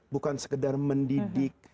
bukan sekedar mendidik